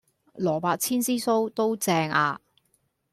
蘿蔔千絲酥都正呀